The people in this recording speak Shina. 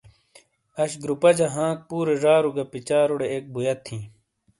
اش گروپہ جہ ہانک پورے ڙارو کا پچاروٹے ایک بویت ہی۔